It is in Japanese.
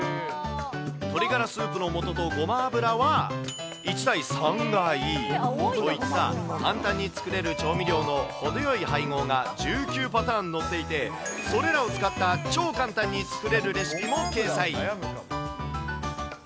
鶏がらスープのもととごま油は１対３がいいといった、簡単に作れる調味料の程よい配合が１９パターン載っていて、それらを使った超簡単に作れるレシピも掲載。